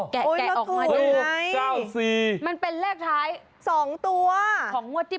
แกะออกมาด้วยไง